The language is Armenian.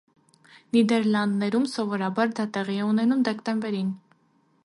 Նիդերլանդներում սովորաբար դա տեղի է ունենում դեկտեմբերին։